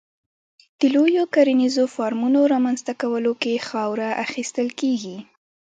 د لویو کرنیزو فارمونو رامنځته کولو کې خاوره اخیستل کېږي.